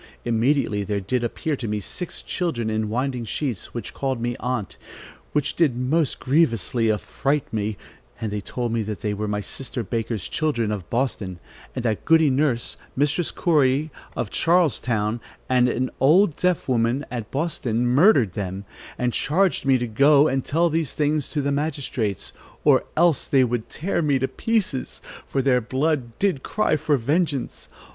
Immediately there did appear to me six children in winding sheets, which called me aunt, which did most grievously affright me; and they told me they were my sister Baker's children of Boston, and that Goody Nurse, Mistress Corey of Charlestown and an old deaf woman at Boston murdered them, and charged me to go and tell these things to the magistrates, or else they would tear me to pieces, for their blood did cry for vengeance.